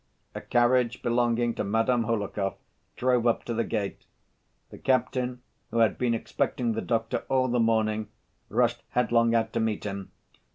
A carriage belonging to Madame Hohlakov drove up to the gate. The captain, who had been expecting the doctor all the morning, rushed headlong out to meet him.